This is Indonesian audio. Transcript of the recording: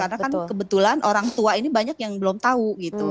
karena kan kebetulan orang tua ini banyak yang belum tahu gitu